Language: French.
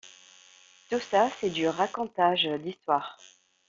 Tout ça c’est du Du racontage d’histoires.